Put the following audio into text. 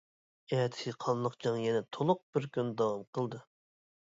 ئەتىسى قانلىق جەڭ يەنە تولۇق بىر كۈن داۋام قىلدى.